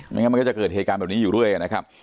งั้นมันก็จะเกิดเหตุการณ์แบบนี้อยู่เรื่อยนะครับ